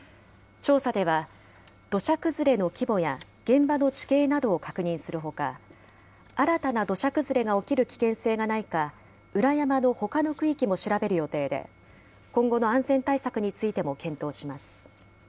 調査では、土砂崩れの規模や現場の地形などを確認するほか、新たな土砂崩れが起きる危険性がないか、裏山のほかの区域も調べる予定で、今後の安全対策についても検討します。